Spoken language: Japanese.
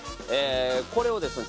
これをですね